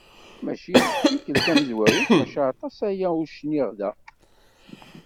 Mačči d tikkelt tamezwarut, maca aṭas-aya ur cniɣ da.